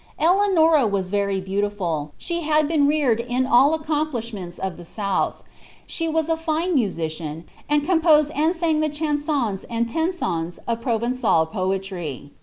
Eleanora was very beautiful ; she had been reared in all the accom plishments of the south ; she was a fine musician, and composed and itng the chajuons and tetuons of Provengal poetry.